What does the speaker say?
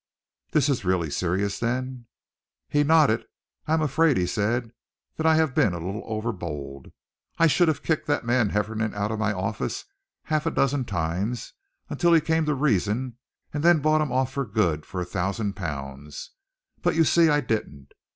"This is really serious, then?" He nodded. "I am afraid," he said, "that I have been a little over bold. I ought to have kicked that man Hefferom out of my office half a dozen times, until he came to reason, and then bought him off for good for a thousand pounds. But you see I didn't.